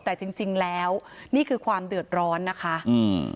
แต่จริงจริงแล้วนี่คือความเดือดร้อนนะคะอืม